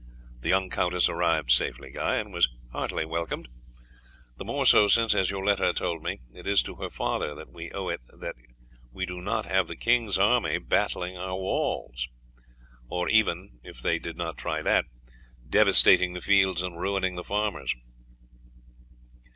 The young countess arrived safely, Guy, and was heartily welcomed, the more so since, as your letter told me, it is to her father that we owe it that we did not have the king's army battering our walls, or, even if they did not try that, devastating the fields and ruining the farmers."